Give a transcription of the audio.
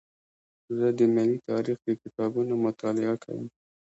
زه د ملي تاریخ د کتابونو مطالعه کوم.